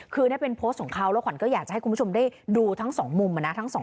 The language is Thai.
คือนี่เป็นโพสต์ของเขาแล้วขวัญก็อยากจะให้คุณผู้ชมได้ดูทั้งสองมุมนะ